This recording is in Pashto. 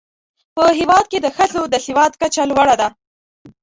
په هېواد کې د ښځو د سواد کچه لوړه ده.